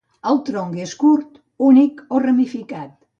El tronc és curt, únic o ramificat.